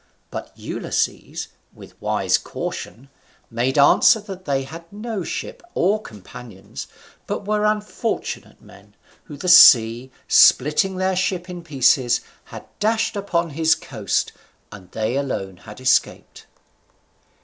But Ulysses, with a wise caution, made answer that they had no ship or companions, but were unfortunate men, whom the sea, splitting their ship in pieces, had dashed upon his coast, and they alone had escaped.